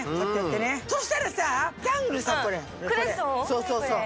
そうそうそう。